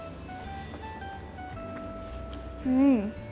うん。